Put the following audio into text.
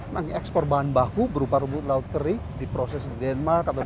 meng ekspor bahan baku berupa rumput laut terik di proses di denmark atau di korea